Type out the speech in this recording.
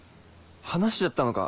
話しちゃったのか？